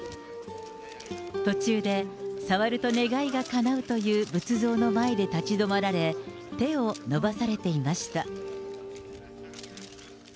途中で触ると願いがかなうという仏像の前で立ち止まられ、手を伸ばされていました。